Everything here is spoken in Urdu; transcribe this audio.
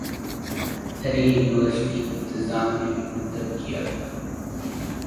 اری یونیورسٹی انتظام نے بھی متب کیا تھا